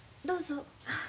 どうぞ。